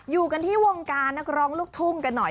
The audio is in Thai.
อยู่กันที่วงการนักร้องลูกทุ่งกันหน่อย